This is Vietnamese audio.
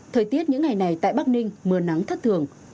thời tiết những ngày này tại bắc ninh mưa nắng thất thường